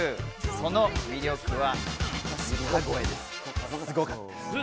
その魅力は。